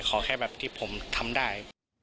ขอแค่แบบที่ผมทำได้